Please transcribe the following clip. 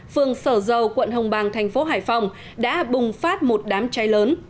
phường sở dầu quận hồng bàng thành phố hải phòng đã bùng phát một đám cháy lớn